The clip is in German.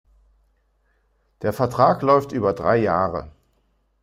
Der Vertrag läuft über drei Jahre.